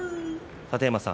楯山さん